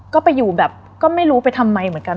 ก็ไปอยู่แบบก็ไม่รู้ไปทำไมเหมือนกัน